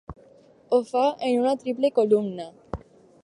Ho fa en una triple columna.